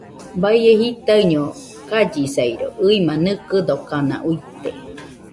Baie jitaiño kallisairo, ɨima nɨkɨdokanauite